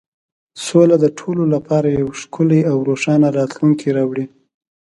سوله د ټولو لپاره یو ښکلی او روښانه راتلونکی راوړي.